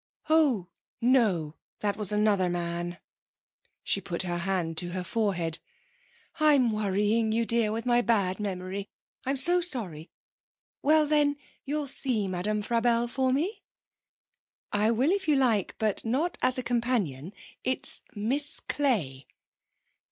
'Oh no. That was another man.' She put her hand to her forehead. 'I'm worrying you, dear, with my bad memory. I'm so sorry. Well, then, you'll see Madame Frabelle for me?' 'I will if you like, but not as a companion. It's Miss Clay.'